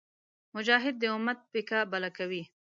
مجاهد د امت پیکه بله کوي.